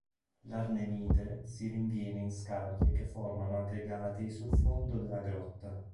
L'arnhemite si rinviene in scaglie che formano aggregati sul fondo della grotta.